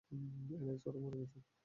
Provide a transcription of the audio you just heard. Alex, ওরা মরে গেছে!